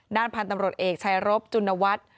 ด้านพันธุ์ตำรวจเอกชายรบจุณวัฒน์